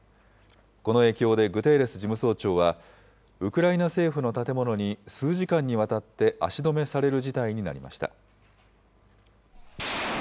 この影響でグテーレス事務総長は、ウクライナ政府の建物に数時間にわたって足止めされる事態になりました。